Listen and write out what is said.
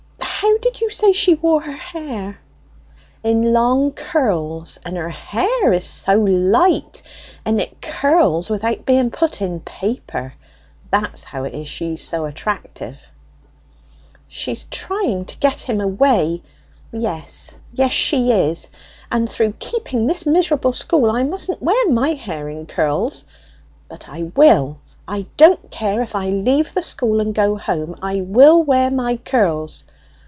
How did you say she wore her hair?" "In long curls, and her hair is light, and it curls without being put in paper: that's how it is she's so attractive." "She's trying to get him away! yes, yes, she is! And through keeping this miserable school I mustn't wear my hair in curls! But I will; I don't care if I leave the school and go home, I will wear my curls!